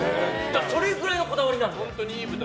それくらいのこだわりなんですよ。